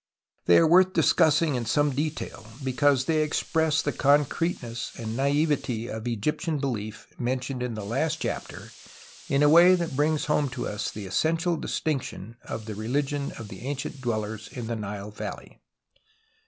They are worth discussing in some detail, because they express the concreteness and naivety of Egyptian belief mentioned in the last chapter in a way that brings home to us the essential distinction of the religion of the ancient dwellers in the Nile Valley.